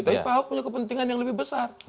tapi pak ahok punya kepentingan yang lebih besar